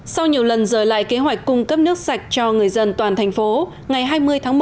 sau nhiều lần rời lại kế hoạch cung cấp nước sạch cho người dân toàn thành phố ngày hai mươi tháng một